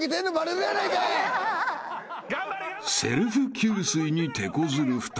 ［セルフ給水に手こずる２人］